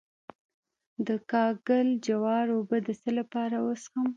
د کاکل جوار اوبه د څه لپاره وڅښم؟